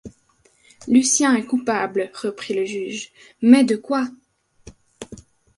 Lucien est coupable, reprit le juge, mais de quoi ?